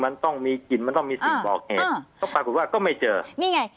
มันต้องมีกลิ่นมันต้องมีสิ่งบอกเหตุก็ปรากฏว่าก็ไม่เจอนี่ไง